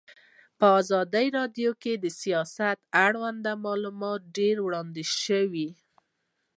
په ازادي راډیو کې د سیاست اړوند معلومات ډېر وړاندې شوي.